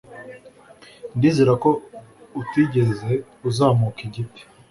Ndizera ko utigeze uzamuka igiti